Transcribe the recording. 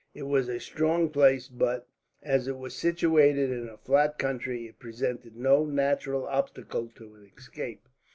It was a strong place but, as it was situated in a flat country, it presented no natural obstacle to an escape.